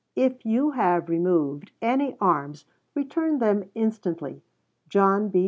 If you have removed any arms return them instantly. JOHN B.